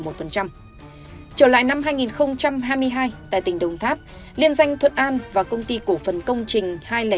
trở lại năm hai nghìn hai mươi hai tại tỉnh đồng tháp liên danh thuận an và công ty cổ phần công trình hai trăm linh tám